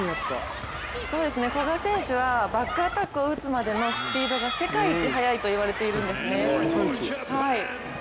古賀選手はバックアタックを打つまでのスピードが世界一速いと言われているんですね。